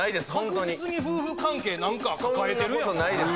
確実に夫婦関係何か抱えてるやん！